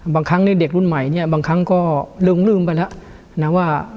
บางครั้งในเด็กรุ่นใหม่เนี่ยบางครั้งก็ลืมไปแล้วนะว่า